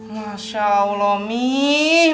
masya allah mimi